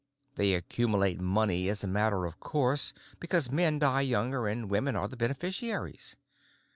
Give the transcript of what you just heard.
They accumulate money as a matter of course because men die younger and women are the beneficiaries.